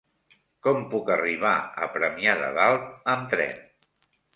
Com puc arribar a Premià de Dalt amb tren?